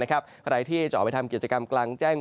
ใครที่จะออกไปทำกิจกรรมกลางแจ้ง